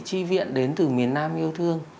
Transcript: chi viện đến từ miền nam yêu thương